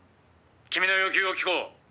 「君の要求を聞こう」